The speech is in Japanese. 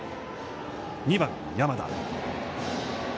２番山田。